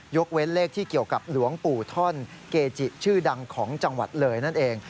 เว้นเลขที่เกี่ยวกับหลวงปู่ท่อนเกจิชื่อดังของจังหวัดเลยนั่นเอง